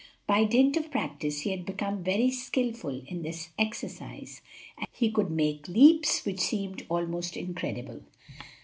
By dint of practise he had become very skilful in this exercise, and he could make leaps which seemed almost incredible.